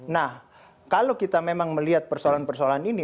nah kalau kita memang melihat persoalan persoalan ini